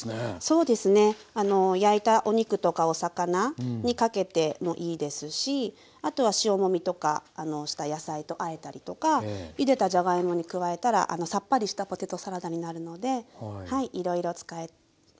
そうですね焼いたお肉とかお魚にかけてもいいですしあとは塩もみとかした野菜とあえたりとかゆでたじゃがいもに加えたらさっぱりしたポテトサラダになるのでいろいろ使えます。